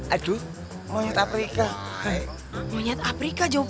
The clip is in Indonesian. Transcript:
aduh ming industry